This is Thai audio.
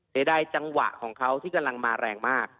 เสียดายจังหวะของเขาที่กำลังมาแรงมาก